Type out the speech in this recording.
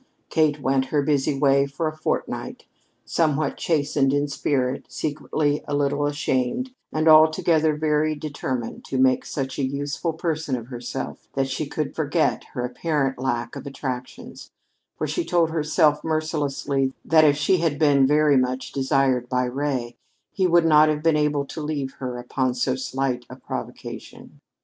Kate went her busy ways for a fortnight, somewhat chastened in spirit, secretly a little ashamed, and altogether very determined to make such a useful person of herself that she could forget her apparent lack of attractions (for she told herself mercilessly that if she had been very much desired by Ray he would not have been able to leave her upon so slight a provocation).